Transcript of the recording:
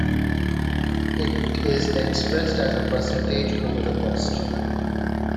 It is expressed as a percentage over the cost.